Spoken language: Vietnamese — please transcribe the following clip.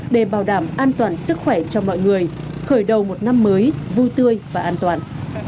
để bảo đảm an toàn sức khỏe cho mọi người khởi đầu một năm mới vui tươi và an toàn